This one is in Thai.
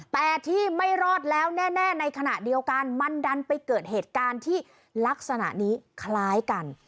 แต่ที่ไม่รอดแล้วแน่ในขณะเดียวกันมันดันไปเกิดเหตุการณ์ที่ลักษณะนี้คล้ายกัน